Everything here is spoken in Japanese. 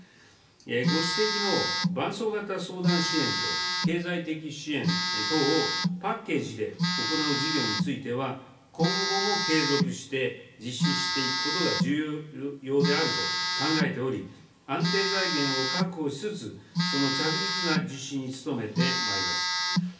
ご指摘の伴走型相談支援と経済的支援等をパッケージで行う事業については、今後も継続して、実施していくことが重要であると考えており、安定財源を確保しつつ、その着実な実施に努めてまいります。